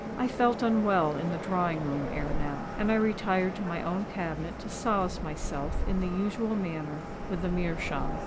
I felt unwell in the drawing room ere now, and I retired to my own cabinet to solace myself in the usual manner with the meerschaum.